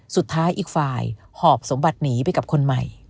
สุดท้ายอีกฝ่ายหอบสมบัติหนีไปกับคนใหม่